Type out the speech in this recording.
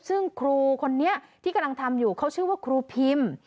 ซึ่งครูคนนี้ที่กำลังทำอยู่เขาชื่อว่าครูพิม